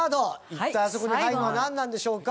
一体あそこに入るのはなんなんでしょうか？